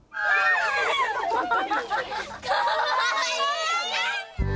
かわいいー。